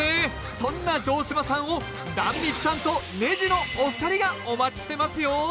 そんな城島さんを壇蜜さんとねじのお二人がお待ちしてますよ！